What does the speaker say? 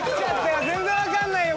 全然分かんないよ